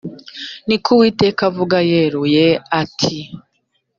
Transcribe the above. ni ko uwiteka avuga yeruye ati